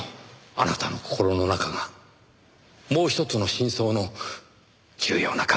あなたの心の中がもうひとつの真相の重要な鍵なんです。